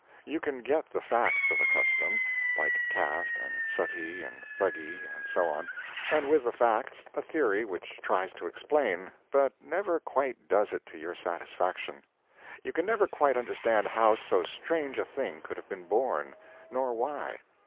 You can get the facts of a custom like caste, and Suttee, and Thuggee, and so on and with the facts a theory which tries to explain, but never quite does it to your satisfaction. You can never quite understand how so strange a thing could have been born, nor why.